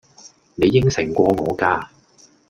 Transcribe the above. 你應承過我㗎